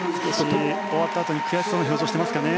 終わったあとに悔しそうな表情をしていましたかね。